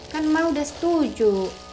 kan mak udah setuju